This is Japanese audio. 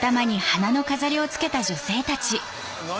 何？